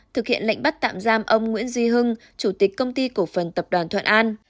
thực hiện lệnh bắt tạm giam ông nguyễn duy hưng chủ tịch công ty cổ phần tập đoàn thuận an